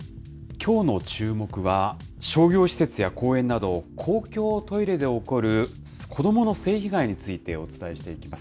きょうのチューモク！は、商業施設や公園など、公共トイレで起こる子どもの性被害についてお伝えしていきます。